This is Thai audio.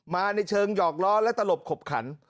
มาในเชิงหยอกล้อและตลบขบขัน